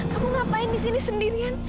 kamu ngapain di sini sendirian